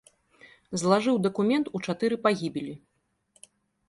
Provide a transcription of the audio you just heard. Злажыў дакумент у чатыры пагібелі.